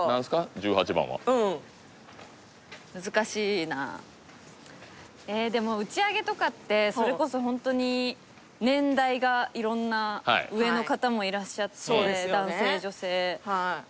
十八番はうんでも打ち上げとかってそれこそホントに年代が色んな上の方もいらっしゃって男性女性